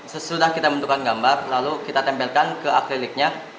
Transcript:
sesudah kita bentukkan gambar lalu kita tempelkan ke akriliknya